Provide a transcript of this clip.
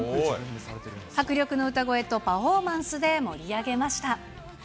迫力の歌声とパフォーマンスで盛り上げました。